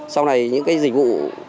sau này những dịch vụ